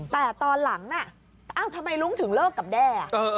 แต่ตอนหลังทำไมรุ้งถึงเลิกกับแด่